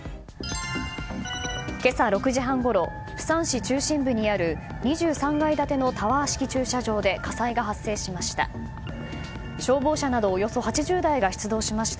今朝６時半ごろ釜山市中心部にある２３階建てのタワー式駐車場で火災が発生しました。